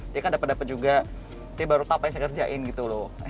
dia kan dapat dapat juga dia baru tahu apa yang saya kerjain gitu loh